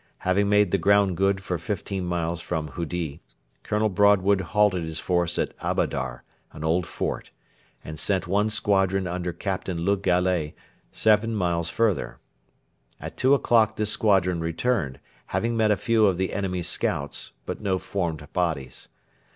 Having made the ground good for fifteen miles from Hudi, Colonel Broadwood halted his force at Abadar, an old fort, and sent one squadron under Captain Le Gallais seven miles further. At two o'clock this squadron returned, having met a few of the enemy's scouts, but no formed bodies.